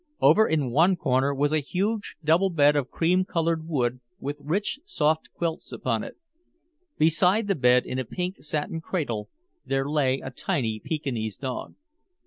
Over in one corner was a huge double bed of cream colored wood with rich soft quilts upon it. Beside the bed in a pink satin cradle there lay a tiny Pekinese dog.